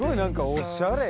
おしゃれ。